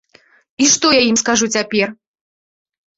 І што я ім скажу цяпер?